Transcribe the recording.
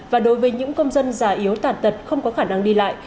và đối với những công dân già yếu tàn tật không có khả năng đi lại